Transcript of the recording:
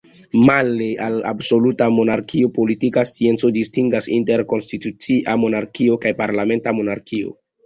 Male al absoluta monarkio, politika scienco distingas inter konstitucia monarkio kaj parlamenta monarkio.